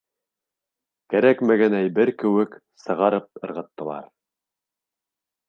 Кәрәкмәгән әйбер кеүек сығарып ырғыттылар.